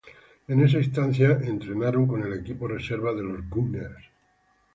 En esa instancia entrenaron con el equipo reserva de los Gunners.